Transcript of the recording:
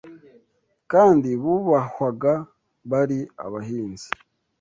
kandi bubahwaga bari abahinzi